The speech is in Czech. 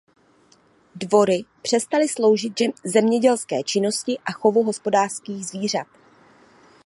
Dvory přestaly sloužit zemědělské činnosti a chovu hospodářských zvířat.